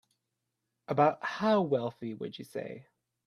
About how wealthy would you say?